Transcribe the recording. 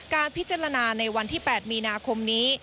การพิจารณาในวันที่๘มีนาคมนี้